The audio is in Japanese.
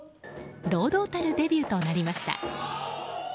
堂々たるデビューとなりました。